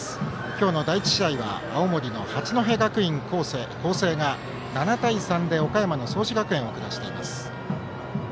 今日の第１試合は青森の八戸学院光星が７対３で岡山の創志学園を下しています。